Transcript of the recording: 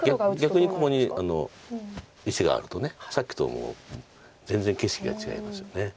逆にここに石があるとさっきと全然景色が違いますよね。